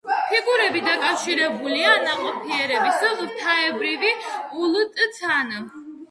ფიგურები დაკავშირებულია ნაყოფიერების ღვთაების კულტთან.